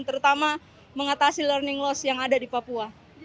terutama mengatasi learning loss yang ada di papua